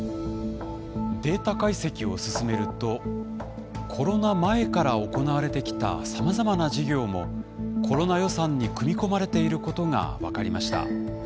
データ解析を進めるとコロナ前から行われてきたさまざまな事業もコロナ予算に組み込まれていることが分かりました。